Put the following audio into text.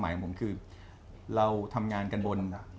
แมทตอนที่จอดันไทยเนสซันโดนใบแดง